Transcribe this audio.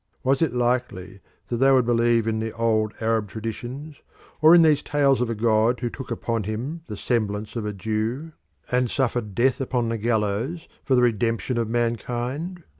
Was it likely that they would believe in the old Arab traditions, or in these tales of a god who took upon him the semblance of a Jew, and suffered death upon the gallows for the redemption of mankind?